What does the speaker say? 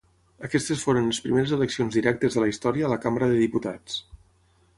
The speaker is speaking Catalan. Aquestes foren les primeres eleccions directes de la història a la Cambra de Diputats.